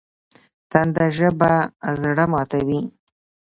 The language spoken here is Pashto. تنده ژبه زړه ماتوي